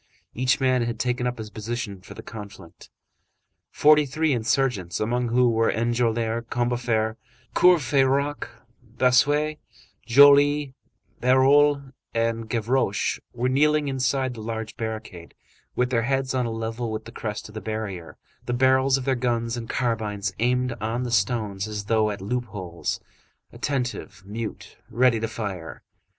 Each man had taken up his position for the conflict. Forty three insurgents, among whom were Enjolras, Combeferre, Courfeyrac, Bossuet, Joly, Bahorel, and Gavroche, were kneeling inside the large barricade, with their heads on a level with the crest of the barrier, the barrels of their guns and carbines aimed on the stones as though at loop holes, attentive, mute, ready to fire.